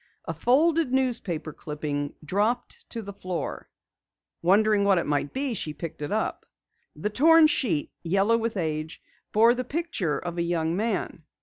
A folded newspaper clipping dropped to the floor. Wondering what it might be, she picked it up. The torn sheet, yellow with age, bore the picture of a young man.